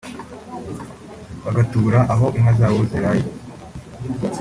bagatura aho inka zabo ziraye